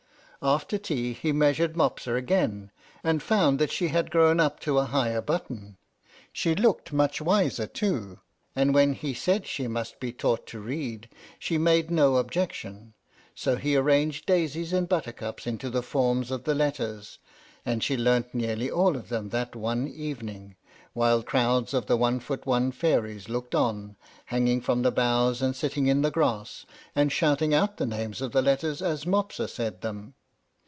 After tea he measured Mopsa again, and found that she had grown up to a higher button. She looked much wiser too, and when he said she must be taught to read she made no objection, so he arranged daisies and buttercups into the forms of the letters, and she learnt nearly all of them that one evening, while crowds of the one foot one fairies looked on, hanging from the boughs and sitting in the grass, and shouting out the names of the letters as Mopsa said them.